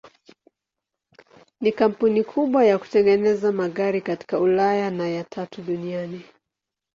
Ni kampuni kubwa ya kutengeneza magari katika Ulaya na ya tatu duniani.